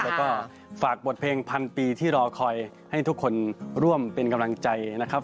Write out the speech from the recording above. แล้วก็ฝากบทเพลงพันปีที่รอคอยให้ทุกคนร่วมเป็นกำลังใจนะครับ